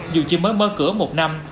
dù chưa mới mở cửa một năm